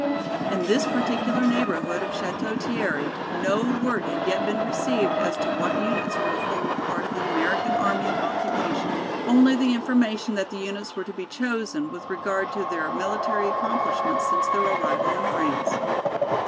In this particular neighborhood of Château Thierry no word had yet been received as to what units were to form a part of the American Army of Occupation, only the information that the units were to be chosen with regard to their military accomplishments since their arrival in France.